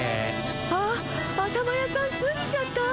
あっあたまやさんすぎちゃった？